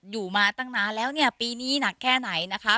อยู่มาตั้งนานแล้วปีนี้แก่ไหนนะคะ